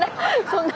そんな！